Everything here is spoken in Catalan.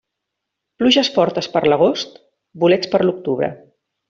Pluges fortes per l'agost, bolets per l'octubre.